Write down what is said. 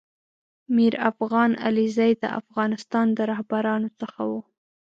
میر افغان علیزی دافغانستان د رهبرانو څخه و